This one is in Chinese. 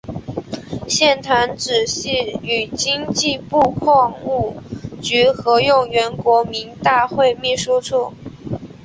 现团址系与经济部矿务局合用原国民大会秘书处。